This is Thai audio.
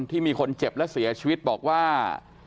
ที่มีคนเจ็บและเสียชีวิตบอกว่า